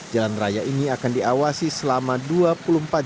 jalan raya ini akan diawasi selama jalan